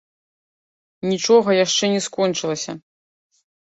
Нічога яшчэ не скончылася.